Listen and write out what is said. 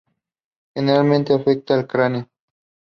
The visual has an all women cast.